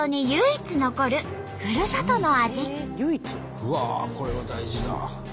うわこれは大事だ。